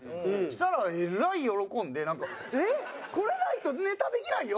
そしたらえらい喜んでなんか「えっ！これないとネタできないよ」